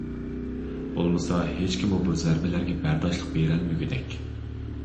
بولمىسا ھېچكىممۇ بۇ زەربىلەرگە بەرداشلىق بېرەلمىگۈدەك.